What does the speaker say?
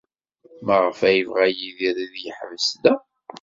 Maɣef ay yebɣa Yidir ad yeḥbes da?